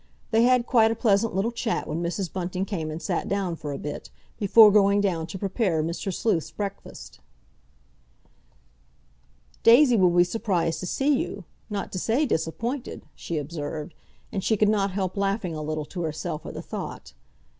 They had quite a pleasant little chat when Mrs. Bunting came and sat down for a bit, before going down to prepare Mr. Sleuth's breakfast. "Daisy will be surprised to see you—not to say disappointed!" she observed, and she could not help laughing a little to herself at the thought.